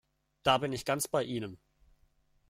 Da bin ich ganz bei Ihnen!